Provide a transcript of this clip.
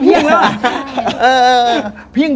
เพี้ยงเพี้๊ง